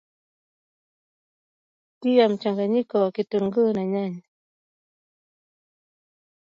tia mchanganyiko wa kitunguu na nyanya